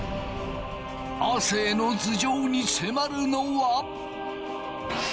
亜生の頭上に迫るのはぎゃっ！